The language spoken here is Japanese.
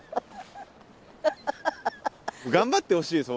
頑張ってほしいです